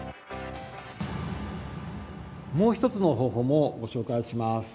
もう一つの方法もご紹介します。